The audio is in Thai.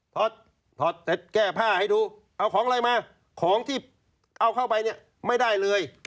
ถอดถอดเสร็จแก้ผ้าให้ดูเอาของอะไรมาของที่เอาเข้าไปเนี่ยไม่ได้เลย